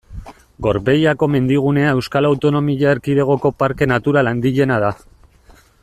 Gorbeiako mendigunea Euskal Autonomia Erkidegoko parke natural handiena da.